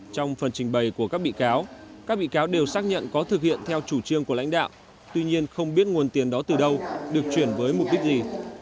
trong phần trình bày của các bị cáo các bị cáo đều xác nhận có thực hiện theo chủ trương của lãnh đạo tuy nhiên không biết nguồn tiền đó từ đâu được chuyển với mục đích gì